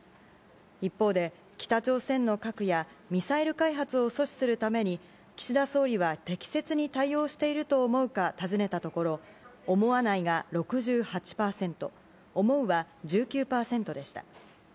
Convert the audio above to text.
一方で、北朝鮮の核やミサイル開発を阻止するために、岸田総理は適切に対応していると思うか尋ねたところ、思わないが６８％、思うは１９％でした。